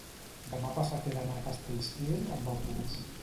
demà passat he d'anar a Castellcir amb autobús.